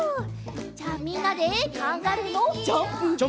じゃあみんなでカンガルーのジャンプ。